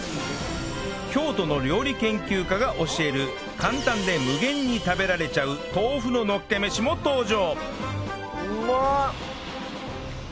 京都の料理研究家が教える簡単で無限に食べられちゃう豆腐ののっけ飯も登場